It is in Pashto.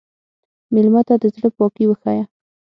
مېلمه ته د زړه پاکي وښیه.